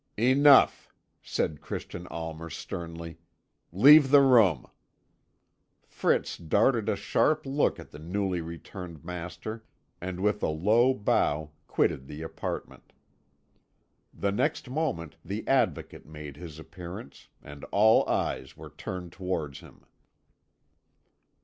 "Enough," said Christian Almer sternly. "Leave the room." Fritz darted a sharp look at the newly returned master, and with a low bow quitted the apartment. The next moment the Advocate made his appearance, and all eyes were turned towards him.